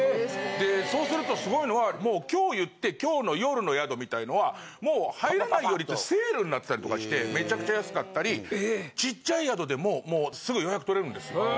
でそうするとすごいのはもう今日いって今日の夜の宿みたいのはもう入らないよりってセールになってたりとかしてめちゃくちゃ安かったりちっちゃい宿でもすぐ予約取れるんですよ。